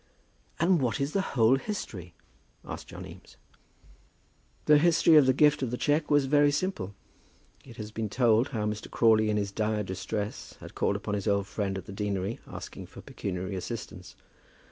"And what is the whole history?" asked John Eames. The history of the gift of the cheque was very simple. It has been told how Mr. Crawley in his dire distress had called upon his old friend at the deanery asking for pecuniary assistance.